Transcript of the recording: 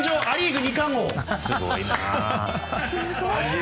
すごいな！